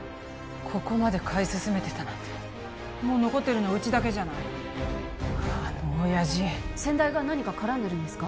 ここまで買い進めてたなんてもう残ってるのはうちだけじゃないあの親父先代が何か絡んでるんですか？